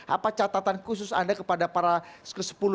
apa catatan khusus anda kepada para sepuluh